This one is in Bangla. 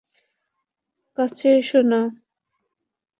কাছে আসো না।